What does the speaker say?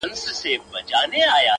اوس دي لا د حسن مرحله راغلې نه ده؛